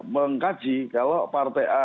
mengkaji kalau partai a